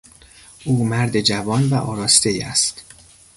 او مرد جوان و آراستهای است.